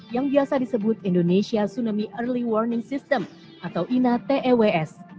yang biasa disebut indonesia tsunami early warning system atau ina tews